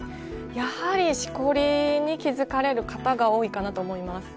やはり、しこりに気づかれる方が多いかなと思います。